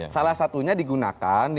salah satunya digunakan